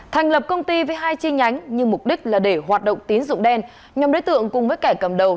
thành lập công ty với hai chi nhánh nhưng mục đích là để hoạt động tín dụng đen nhóm đối tượng cùng với kẻ cầm đầu